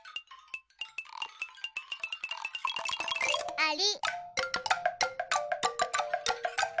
あり。